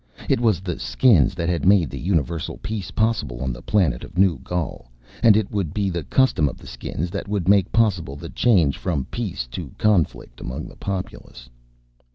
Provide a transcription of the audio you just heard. It was the Skins that had made the universal peace possible on the planet of New Gaul. And it would be the custom of the Skins that would make possible the change from peace to conflict among the populace.